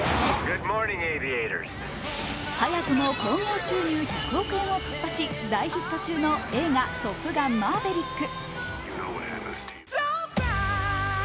早くも興行収入１００億円を突破し大ヒット中の映画「トップガンマーヴェリック」